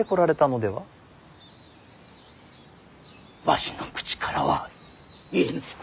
わしの口からは言えぬ。